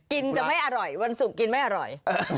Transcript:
จะไม่อร่อยวันศุกร์กินไม่อร่อย